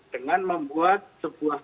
dengan membuat sebuah